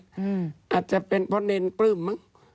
อาจจะเป็นเพราะเนรปลื้มมั้ง